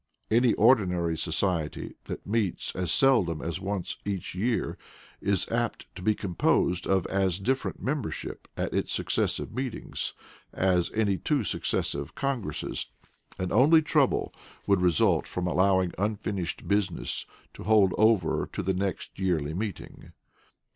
Any ordinary society that meets as seldom as once each year, is apt to be composed of as different membership at its successive meetings, as any two successive Congresses, and only trouble would result from allowing unfinished business to hold over to the next yearly meeting.